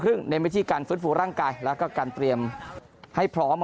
เน้นวิธีการฟื้นฟูร่างกายแล้วก็การเตรียมให้พร้อม